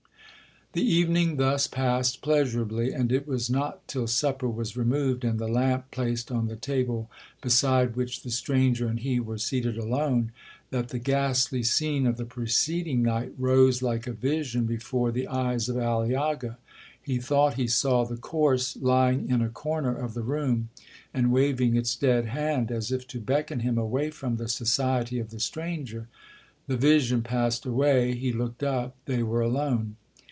'The evening thus passed pleasurably; and it was not till supper was removed, and the lamp placed on the table beside which the stranger and he were seated alone, that the ghastly scene of the preceding night rose like a vision before the eyes of Aliaga. He thought he saw the corse lying in a corner of the room, and waving its dead hand, as if to beckon him away from the society of the stranger. The vision passed away,—he looked up,—they were alone.